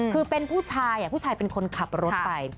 คือเป็นผู้ชายผู้ชายเป็นคนขับรถไป